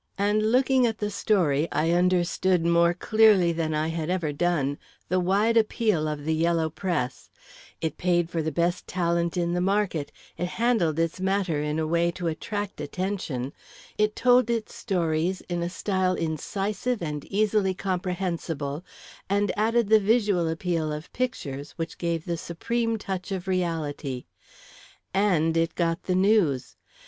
And looking at the story, I understood, more clearly than I had ever done, the wide appeal of the yellow press it paid for the best talent in the market; it handled its matter in a way to attract attention; it told its stories in a style incisive and easily comprehensible, and added the visual appeal of pictures, which gave the supreme touch of reality. And it got the news.